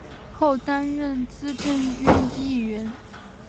后担任资政院议员。